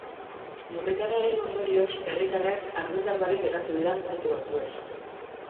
Lurrikararen ondorioz herritarrak argindar barik geratu dira minutu batzuez.